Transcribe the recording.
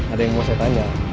ada yang mau saya tanya